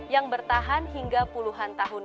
yang bertahan hingga puluhan tahun